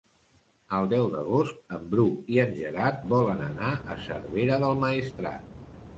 El deu d'agost en Bru i en Gerard volen anar a Cervera del Maestrat.